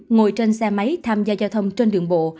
ngồi trên xe máy tham gia giao thông trên đường bộ